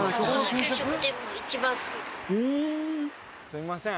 すみません。